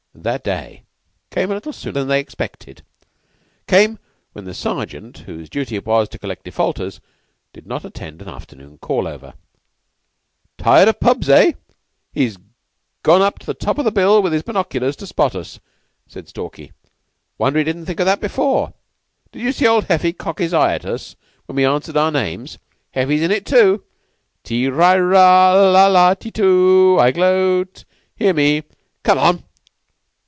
That day came a little sooner than they expected came when the Sergeant, whose duty it was to collect defaulters, did not attend an afternoon call over. "Tired of pubs, eh? He's gone up to the top of the bill with his binoculars to spot us," said Stalky. "Wonder he didn't think of that before. Did you see old Heffy cock his eye at us when we answered our names? Heffy's in it, too. Ti ra la la i tu! I gloat! Hear me! Come on!"